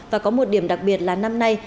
và có một điểm đặc biệt là năm nay